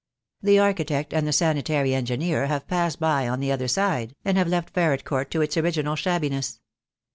The architect and the sanitary engineer have passed by on the other side, and have left Ferret Court to its original shabbiness.